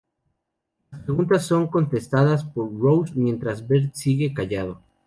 Las preguntas son contestadas por Rose mientras Bert sigue callado.